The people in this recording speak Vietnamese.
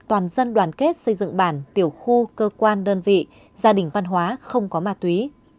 toàn dân đoàn kết xây dựng bản tiểu khu cơ quan đơn vị gia đình văn hóa không có ma túy